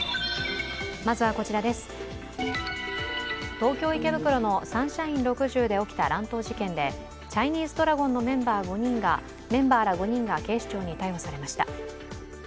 東京・池袋のサンシャイン６０で起きた乱闘事件で、チャイニーズドラゴンのメンバーら５人が警視庁に逮捕されました。